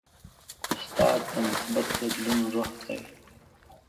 استاد د مثبت بدلون روح دی.